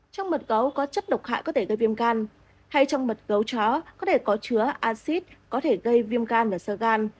trong mật gấu có chất độc hại có thể gây viêm gan hay trong mật gấu chó có thể có chứa acid có thể gây viêm gan ở sơ gan